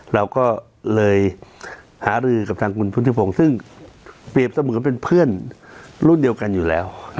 เราก็เลยหารือกับทางคุณพุทธิพงศ์ซึ่งเปรียบเสมือนเป็นเพื่อนรุ่นเดียวกันอยู่แล้ว